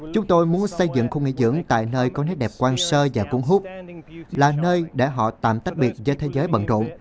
chúng tôi muốn xây dựng khu nghỉ dưỡng tại nơi có nét đẹp quan sơ và cuốn hút là nơi để họ tạm tách biệt với thế giới bận rộn